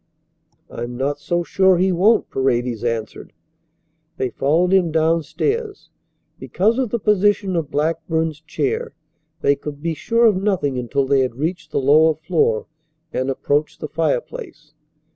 "I'm not so sure he won't," Paredes answered. They followed him downstairs. Because of the position of Blackburn's chair they could be sure of nothing until they had reached the lower floor and approached the fireplace.